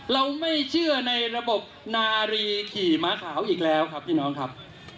เราไม่เชื่อในระบบนารีขี่ม้าขาวอีกแล้วครับพี่น้องครับ